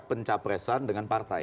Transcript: pencapresan dengan partai